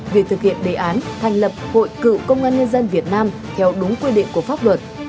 về thực hiện đề án thành lập hội cựu công an nhân dân việt nam theo đúng quy định của pháp luật